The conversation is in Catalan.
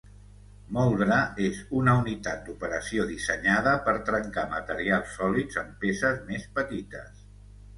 Moldre és una unitat d'operació dissenyada per trencar materials sòlids en peces més petites.